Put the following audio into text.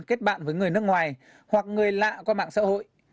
kết bạn với người nước ngoài hoặc người lạ qua mạng xã hội